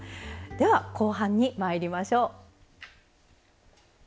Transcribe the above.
では後半にまいりましょう。